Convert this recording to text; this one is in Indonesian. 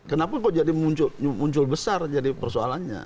kenapa kok jadi muncul besar jadi persoalannya